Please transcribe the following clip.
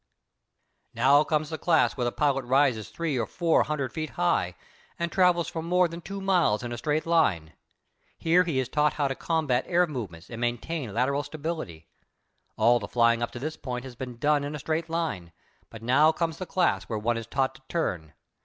Now comes the class where the pilot rises three or four hundred feet high and travels for more than two miles in a straight line. Here he is taught how to combat air movements and maintain lateral stability. All the flying up to this point has been done in a straight line, but now comes the class where one is taught to turn.